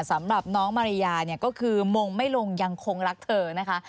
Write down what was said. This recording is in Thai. สำหรับน้องมาริยาเนี่ยก็คือมงไม่ลงยังคงรักเธอนะคะ